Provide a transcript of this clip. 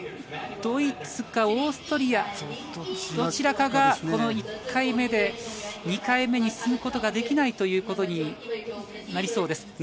ドイツかオーストリア、どちらかが、この１回目で２回目に進むことができないということになりそうです。